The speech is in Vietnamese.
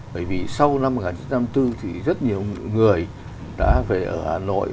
bởi vì sau năm một nghìn chín trăm năm mươi bốn thì rất nhiều người đã về ở hà nội